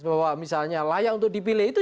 bahwa misalnya layak untuk dipilih itu